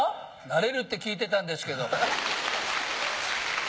なれるって聞いてたんですけど。